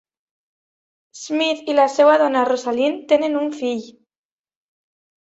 Smith i la seva dona Rosalynn tenen un fill.